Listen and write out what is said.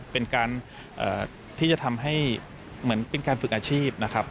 เป็นการที่จะทำให้เหมือนเป็นการฝึกอาชีพนะครับ